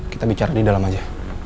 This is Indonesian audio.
kita bicara di dalam aja